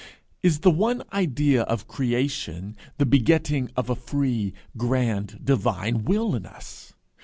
Is the one idea of creation the begetting of a free, grand, divine will in us?